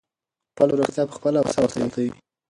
خپله روغتیا په خپله وساتئ.